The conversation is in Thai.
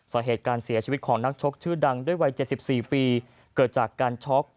สาเหตุการเสียชีวิตของนักชกชื่อดังด้วยวัย๗๔ปีเกิดจากการช็อก